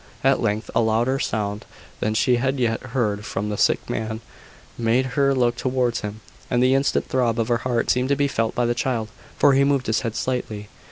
At length a louder sound than she had yet heard from the sick man, made her look towards him; and the instant throb of her heart seemed to be felt by the child, for he moved his head slightly.